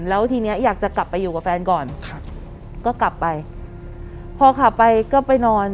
แล้วทีเนี้ยอยากจะกลับไปอยู่กับแฟนก่อนครับก็กลับไปพอขับไปก็ไปนอน